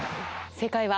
正解は。